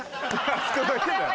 あそこだけだよ